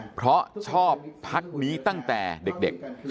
เพราะชอบพักนี้ตั้งแต่เด็ก